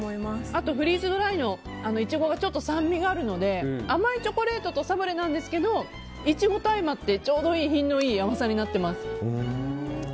あと、フリーズドライのイチゴがちょっと酸味があるので甘いチョコレートとサブレなんですけどイチゴと相まって、ちょうどいい品のいい甘さになっています。